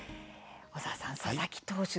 小澤さん、佐々木投手